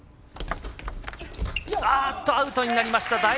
アウトになりました。